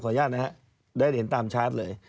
อนุญาตนะครับได้เห็นตามชาร์จเลย